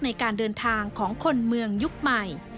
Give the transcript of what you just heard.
ในการเดินทางของคนเมืองยุคใหม่